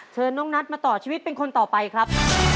เชิญน้องนัทมาต่อชีวิตเป็นคนต่อไปครับ